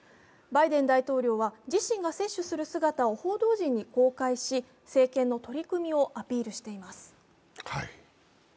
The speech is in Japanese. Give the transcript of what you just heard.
バイデン大統領は自身が接種する姿を報道陣に公開し政権の取り組みをアピールしています。